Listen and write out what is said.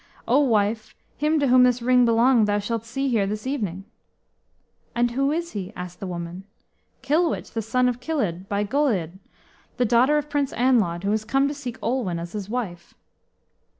"O wife, him to whom this ring belonged thou shalt see here this evening." "And who is he?" asked the woman. "Kilwich, the son of Kilydd, by Goleudid, the daughter of Prince Anlawd, who is come to seek Olwen as his wife."